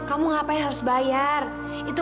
ibu plastik buatmu ibu